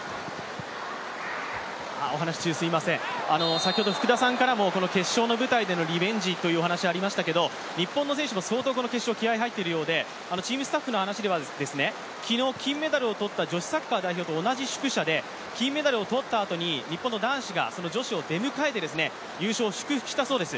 先ほど福田さんからも決勝の舞台でのリベンジというお話がありましたけれども、日本の選手も相当この決勝気合いが入っているようでチームスタッフの話では昨日、金メダルを取った女子サッカーの選手と同じ宿舎で金メダルを取ったあとに日本の男子が女子を出迎えて優勝を祝福したそうです。